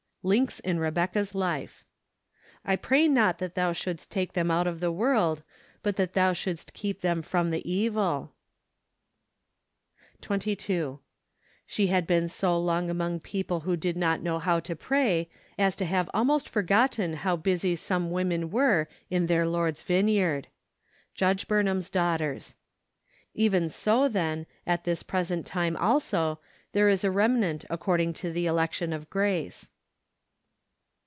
Links in Rebecca's Life. " Tpray not that thou shouldst take them out oj the world, but that thou shouldst keep them from the evil." SEPTEMBER. 105 22. Slie had been so long among peo¬ ple who did not know how to pray, as to have almost forgotten how busy some women were in their Lord's vineyard. Judge Burnham's Daughters. " Even so, then , at this present time also , there is a remnant according to the election of grace."